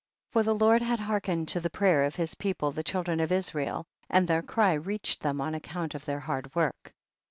26. For the Lord had hearkened to the prayer of his people the child ren of Israel, and their cry reach ed them on account of their hard work.